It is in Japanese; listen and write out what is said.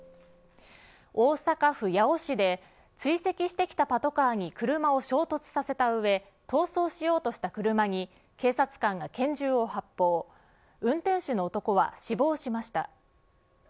大阪府八尾市で追跡してきたパトカーに車を衝突させた上逃走しようとした車に警察官が拳銃を発砲運転手の男は死亡しました。